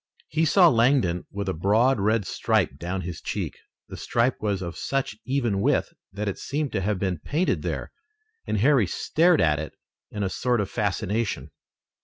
He saw Langdon with a broad red stripe down his cheek. The stripe was of such even width that it seemed to have been painted there, and Harry stared at it in a sort of fascination.